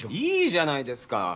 いいじゃないですか。